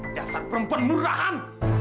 jasad perempuan murahan